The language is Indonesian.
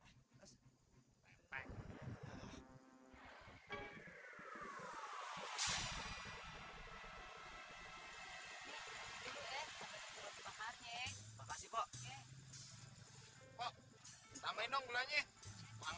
ini deh sampai dulu si bakarnya